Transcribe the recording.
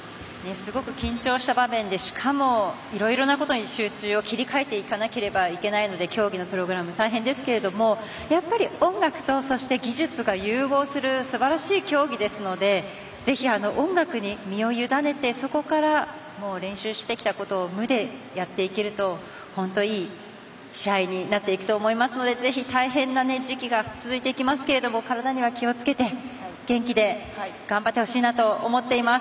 すごく緊張した場面でしかも、いろいろなことに集中を切り替えていかなければいけないので競技のプログラム大変ですけどもやっぱり音楽とそして技術が融合するすばらしい競技ですのでぜひ音楽に身をゆだねてそこから練習してきたことを無でやっていけると本当にいい試合になっていくと思いますのでぜひ大変な時期が続いていきますけれども体には気をつけて元気で頑張ってほしいなと思っています。